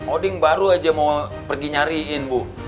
oding baru aja mau pergi nyariin bu